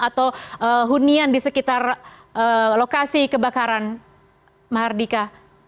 atau hunian di sekitar lokasi kebakaran mahardika